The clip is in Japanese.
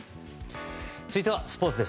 続いてはスポーツです。